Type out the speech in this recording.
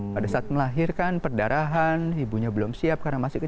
pada saat melahirkan perdarahan ibunya belum siap karena masih kecil